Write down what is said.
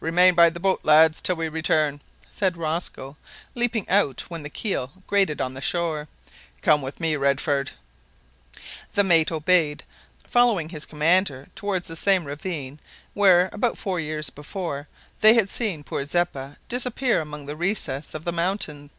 "Remain by the boat, lads, till we return," said Rosco, leaping out when the keel grated on the shore. "Come with me, Redford." The mate obeyed, following his commander towards the same ravine where, about four years before, they had seen poor Zeppa disappear among the recesses of the mountain.